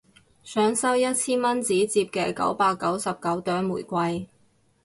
想收一千蚊紙摺嘅九百九十九朵玫瑰